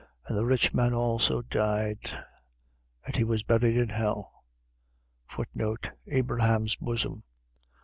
And the rich man also died: and he was buried in hell. Abraham's bosom.